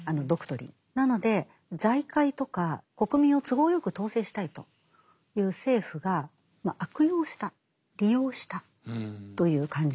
なので財界とか国民を都合よく統制したいという政府が悪用した利用したという感じですね。